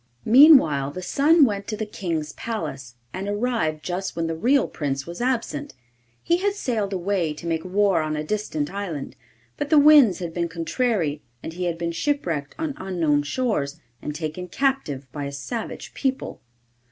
Meanwhile the son went to the King's palace, and arrived just when the real prince was absent. He had sailed away to make war on a distant island, but the winds had been contrary, and he had been shipwrecked on unknown shores, and taken captive by a savage people.